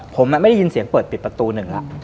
ผมไม่ได้ยินเสียงเปิดปิดประตูหนึ่งแล้ว